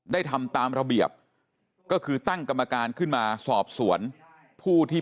ทำตามระเบียบก็คือตั้งกรรมการขึ้นมาสอบสวนผู้ที่